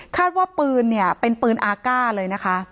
ว่าปืนเนี่ยเป็นปืนอาก้าเลยนะคะ